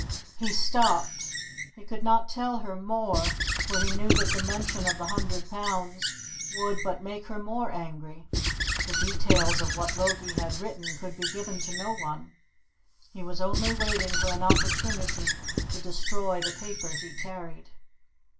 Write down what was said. He stopped. He could not tell her more, for he knew that the mention of the hundred pounds would but make her more angry; the details of what Logie had written could be given to no one. He was only waiting for an opportunity to destroy the paper he carried.